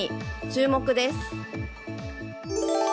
注目です。